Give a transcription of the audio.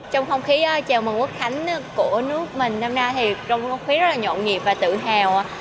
trong không khí chào mừng quốc khánh của nước mình năm nay thì trong không khí rất là nhộn nhịp và tự hào